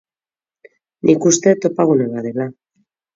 Nik uste topagune bat dela.